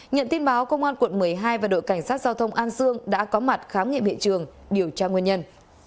nhận tin báo công an quận một mươi hai và đội cảnh sát giao thông an sương đã có mặt khám nghiệm hiện trường điều tra nguyên nhân